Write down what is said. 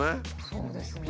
そうですね。